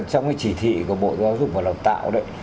trong cái chỉ thị của bộ giáo dục và đào tạo đấy